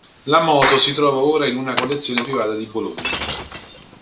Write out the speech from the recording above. La moto si trova ora in una collezione privata di Bologna.